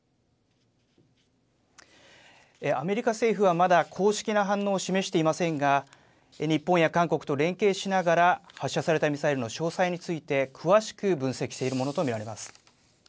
アメリカ政府はまだ、公式な反応を示していませんが、日本や韓国と連携しながら、発射されたミサイルの詳細について詳しく分析しているものと見られます。